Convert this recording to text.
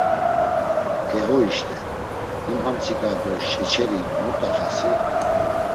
E ho işte, him amtsika do şeçeri mut̆axasi.